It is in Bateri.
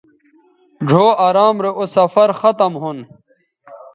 ڙھؤ ارام رے اوسفرختم ھون